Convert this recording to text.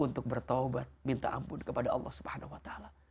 untuk bertaubat minta ampun kepada allah swt